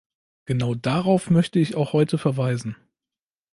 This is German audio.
Genau darauf möchte ich auch heute verweisen.